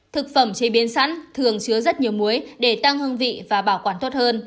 thực phẩm chế biến sẵn thường chứa rất nhiều muối để tăng hương vị và bảo quản tốt hơn